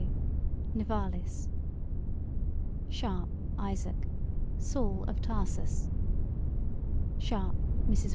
W.: Nivalis SHARP, ISAAC: Saul of Tarsus SHARP, MRS.